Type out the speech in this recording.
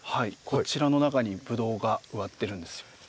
こちらの中にブドウが植わってるんですよ。